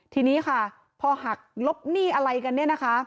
ทีนี้ค่ะพอหักลบหนี้อะไรกันเนี่ยนะคะ